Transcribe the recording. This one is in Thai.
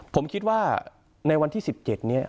ผมคิดว่าในวันที่๑๗นี้